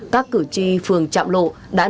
các cử tri phường trạm lộ